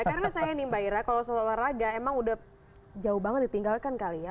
karena saya nih mbak ira kalau olahraga emang udah jauh banget ditinggalkan kali ya